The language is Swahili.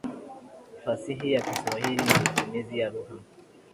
fasihi ya Kiswahili na matumizi ya lugha